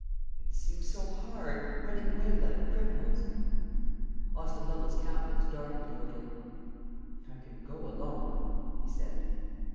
"It seems so hard running away like criminals." Austin Lovel's countenance darkened a little. "I can go alone," he said.